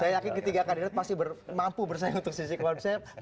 saya yakin ketiga kandidat masih mampu bersaing untuk sisi konsep